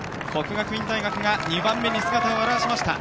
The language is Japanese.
國學院大學が２番目に姿を現しました。